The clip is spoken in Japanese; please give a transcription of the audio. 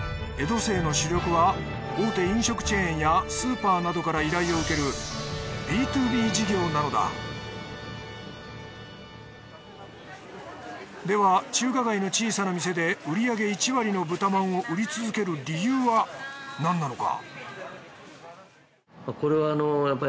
江戸清の主力は大手飲食チェーンやスーパーから依頼を受けるでは中華街の小さな店で売り上げ１割の豚まんを売り続ける理由は何なのか？